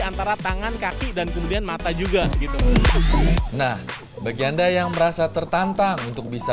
antara tangan kaki dan kemudian mata juga gitu nah bagi anda yang merasa tertantang untuk bisa